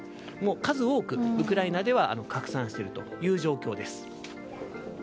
数多くウクライナでは拡散しているという状況です。